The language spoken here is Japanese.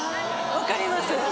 分かります？